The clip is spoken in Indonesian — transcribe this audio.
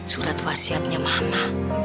surat wasiatnya mama